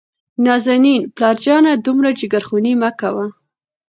نازنين : پلار جانه دومره جګرخوني مه کوه.